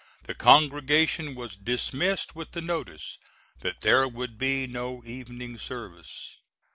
The congregation was dismissed with the notice that there would be no evening service.